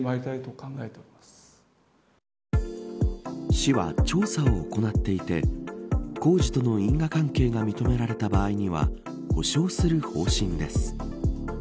市は調査を行っていて工事との因果関係が認められた場合には補償する方針です。